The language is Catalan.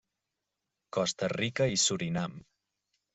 Costa Rica i Surinam.